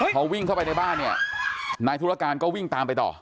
พอวิ่งเข้าไปในบ้านเนี่ยนายธุรการก็วิ่งตามไปต่อ